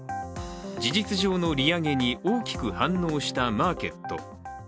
事実上の利上げに大きく反応したマーケット。